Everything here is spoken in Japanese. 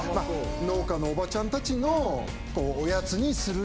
農家のおばちゃんたちのおやつにするような団子。